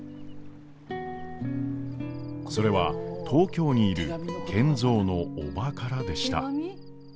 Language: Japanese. それは東京にいる賢三の叔母からでした。